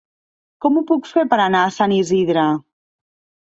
Com ho puc fer per anar a Sant Isidre?